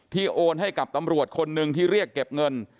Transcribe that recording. โอนให้กับตำรวจคนหนึ่งที่เรียกเก็บเงิน